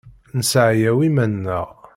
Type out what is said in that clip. Nesseɛyaw iman-nneɣ.